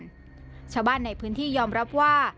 อยู่ใต้สะพานชาวบ้านในพื้นที่ยอมรับว่า